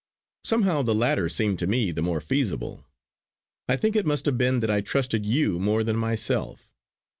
Somehow the latter seemed to me the more feasible. I think it must have been that I trusted you more than myself.